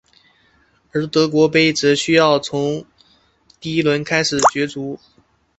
而德国杯则需要从第一轮开始角逐。